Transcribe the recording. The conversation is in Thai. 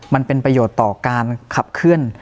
มันเป็นประโยชน์ต่อการขับเคลื่อน